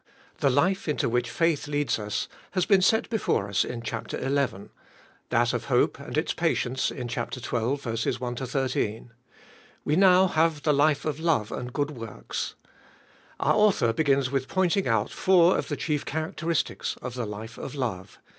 The life into which faith leads us has been set before us in chap. xi. ; that of hope and its patience in chap xii. 1 13. We now have the life of love and good works. Our author begins with pointing out four of the chief characteristics of the life of love.